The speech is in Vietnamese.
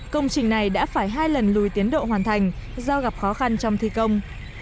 công trình này đã phải hai lần lùi tiến độ hoàn thành do gặp khó khăn trong thi công